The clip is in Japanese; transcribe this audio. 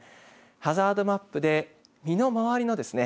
ハザードマップで身の周りのですね